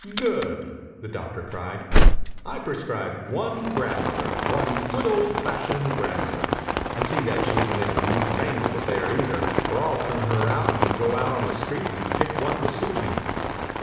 "Good!" the doctor cried. "I prescribe one grandmother, one good, old fashioned grand mother. And see that she isn't any new fangled affair, either, or 109 THE INCUBATOR BABY I'll turn her out and go out on the street and pick one to suit me.